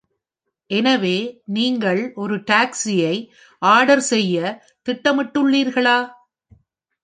எனவே, நீங்கள் ஒரு டாக்ஸியை ஆர்டர் செய்ய திட்டமிட்டுள்ளீர்களா?